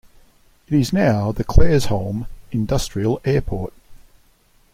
It is now the Claresholm Industrial Airport.